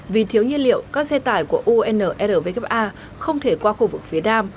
vì thiếu nhiên liệu các xe tải của unrwk không thể qua khu vực phía nam